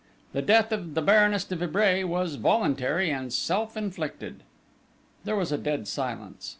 The death of the Baroness de Vibray was voluntary and self inflicted." There was a dead silence.